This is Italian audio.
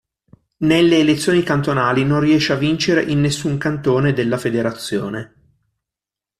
Nelle elezioni cantonali non riesce a vincere in nessun cantone della Federazione.